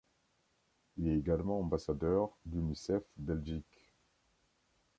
Il est également ambassadeur d'Unicef Belgique.